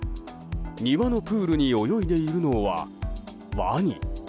庭のプールに泳いでいるのはワニ。